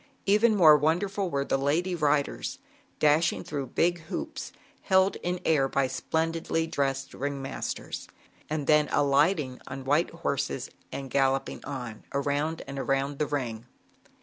Even more wonderful were the lady riders, dashing through big hoops held air by splendidly dressed ring masters d then alighting on white horses and galloping on, around and around the ring.